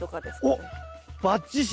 おっバッチシ！